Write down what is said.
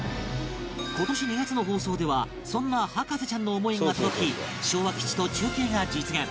今年２月の放送ではそんな博士ちゃんの思いが届き昭和基地と中継が実現